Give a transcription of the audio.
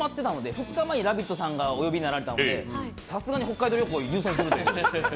２日前に「ラヴィット！」さんがお呼びになられたので、さすがに北海道旅行を優先するということに。